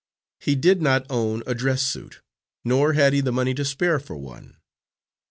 He did not own a dress suit, nor had he the money to spare for one.